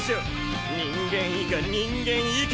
人間以下人間以下！